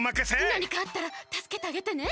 なにかあったらたすけてあげてね。